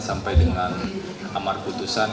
sampai dengan amar putusan